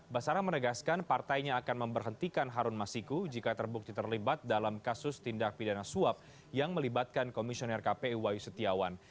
basara menegaskan partainya akan memberhentikan harun masiku jika terbukti terlibat dalam kasus tindak pidana suap yang melibatkan komisioner kpi wayu setiawan